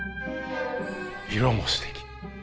色もすてき！